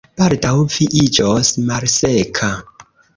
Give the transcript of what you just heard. Baldaŭ vi iĝos malseka